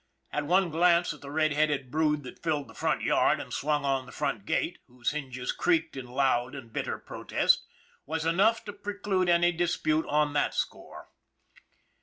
And one glance at the red headed brood that filled the front yard and swung on the front gate, whose hinges creaked in loud and bitter protest, was enough to preclude any dispute on that score.